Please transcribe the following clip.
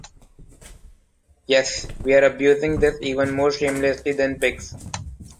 Yes, we are abusing this even more shamelessly than pigs.